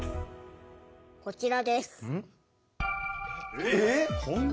こちらです。